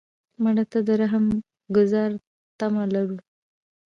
مړه ته د رحم ګذار تمه لرو